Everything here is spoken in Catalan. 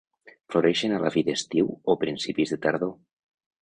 Floreixen a la fi d'estiu o principis de tardor.